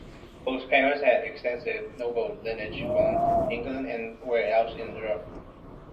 Both parents had extensive noble lineage from England and elsewhere in Europe.